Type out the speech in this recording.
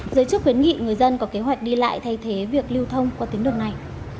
giới chức khuyến nghị người dân có kế hoạch đi lại thay thế việc lưu thông qua tuyến đường này